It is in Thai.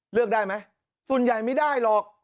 เลือกได้ไหมส่วนใหญ่ไม่ได้หรอก